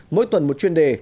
mỗi tuần một chuyên đề